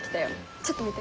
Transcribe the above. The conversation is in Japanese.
ちょっと見て。